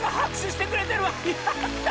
やった！